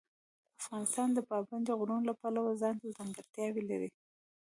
افغانستان د پابندي غرونو له پلوه ځانته ځانګړتیاوې لري.